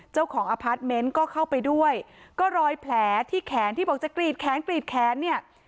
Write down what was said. เจ้าของอพาร์ทเมนต์ก็เข้าไปด้วยก็รอยแผลที่แขนที่บอกจะกรีดแขนกรีดแขนเนี่ย